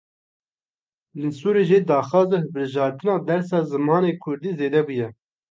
Li Sirûcê daxwaza hilbijartina dersa zimanê kurdî zêde bûye.